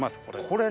これ。